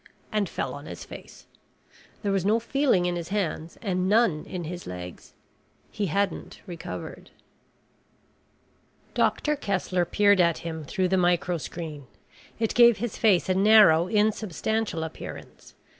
And fell on his face. There was no feeling in his hands and none in his legs. He hadn't recovered. Doctor Kessler peered at him through the microscreen. It gave his face a narrow insubstantial appearance.